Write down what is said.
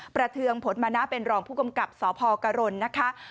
ประเทืองผลต์มานะเป็นรองผู้กำกับสพกะรนด์นะคะ